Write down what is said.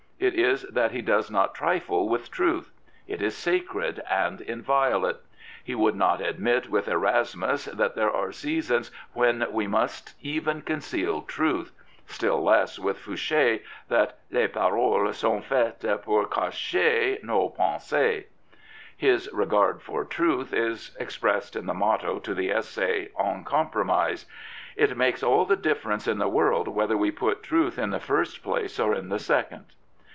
It is that he does not trifle with truth. It is sacred and inviolate. He would not admit with Erasmus, that " there are seasons when we must even conceal truth,*' still less with Fouch6 that les paroles sont faites pour cacher nos pens^es." His regard for truth is expressed in the motto to the essay " On Compromise." " It makes all the difference in the world whether we put truth in the first place or in the second."